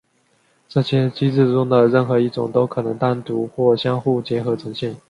这些机制中的任何一种都可能单独或相互结合呈现。